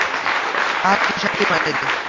আহ, কী শান্তি মাইরি!